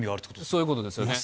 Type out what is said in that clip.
そういうことですよね。